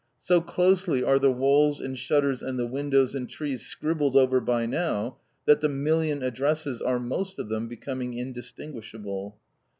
.... So closely are the walls and shutters and the windows and trees scribbled over by now that the million addresses are most of them becoming indistinguishable.